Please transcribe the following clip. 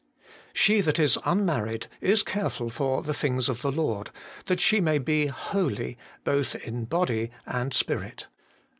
She that is unmarried is careful for the things of the Lord, that she may be holy both in body and spirit.'